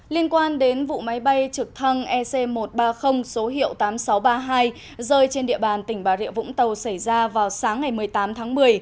liên quan đến vụ máy bay trực thăng ec một trăm ba mươi số hiệu tám nghìn sáu trăm ba mươi hai rơi trên địa bàn tỉnh bà rịa vũng tàu xảy ra vào sáng ngày một mươi tám tháng một mươi